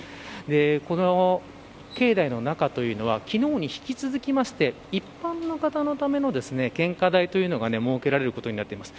この境内の中というのは昨日に引き続きまして一般の方のための献花台というのが設けられることになっています。